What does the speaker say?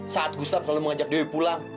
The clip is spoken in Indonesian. saat gustaf selalu mengajak dewi pulang